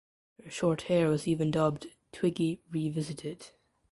Her short hair was even dubbed "Twiggy revisited".